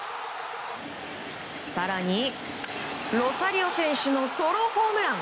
更に、ロサリオ選手のソロホームラン。